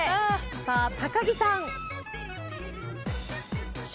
さあ木さん。